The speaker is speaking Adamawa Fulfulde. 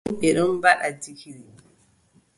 A nani, ɓe ɗon mbaɗa jikiri.